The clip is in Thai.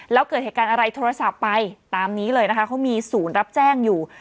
แล้วเกิดเหตุการณ์อะไรโทรศัพท์ไปตามนี้เลยนะคะเขามีศูนย์รับแจ้งอยู่